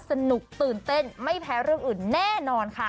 สนุกตื่นเต้นไม่แพ้เรื่องอื่นแน่นอนค่ะ